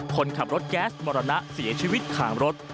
คนขับรถแก๊สมรณะเสียชีวิตขามรถ